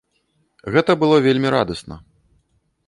Гэта было вельмі радасна.